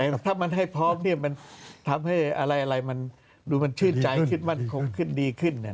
แต่ถ้ามันให้พร้อมเนี่ยมันทำให้อะไรมันดูมันชื่นใจคิดมั่นคงขึ้นดีขึ้นเนี่ย